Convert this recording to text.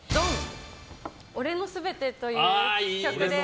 「俺のすべて」という曲です。